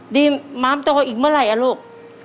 ดีมม้ามโตอีกเมื่อไรล่ะลูก